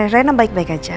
rena baik baik aja